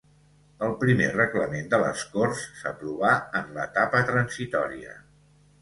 El primer Reglament de les Corts s'aprovà en l'etapa transitòria.